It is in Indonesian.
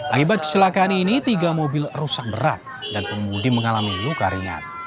akibat kecelakaan ini tiga mobil rusak berat dan pengemudi mengalami luka ringan